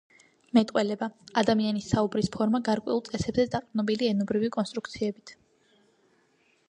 მეტყველება — ადამიანის საუბრის ფორმა გარკვეულ წესებზე დაყრდნობილი ენობრივი კონსტრუქციებით.